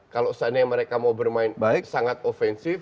kalau saatnya mereka mau bermain sangat offensif